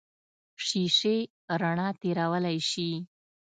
شیشې رڼا تېرولی شي.